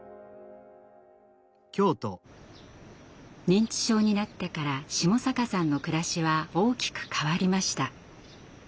認知症になってから下坂さんの暮らしは大きく変わりました。